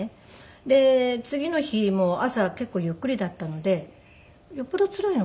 で次の日も朝結構ゆっくりだったのでよっぽどつらいのかな？